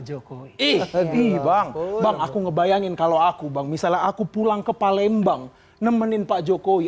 jokowi sedih bang bang aku ngebayangin kalau aku bang misalnya aku pulang ke palembang nemenin pak jokowi